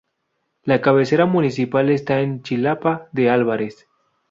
La cabecera municipal está en Chilapa de Álvarez.